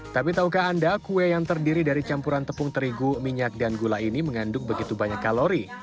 tapi tahukah anda kue yang terdiri dari campuran tepung terigu minyak dan gula ini mengandung begitu banyak kalori